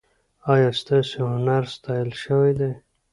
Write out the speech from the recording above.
ایا ستاسو هنر ستایل شوی دی؟